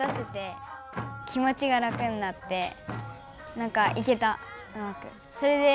なんかいけたうまく。